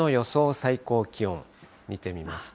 最高気温、見てみますと。